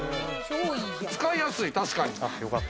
使いやすい、確かに。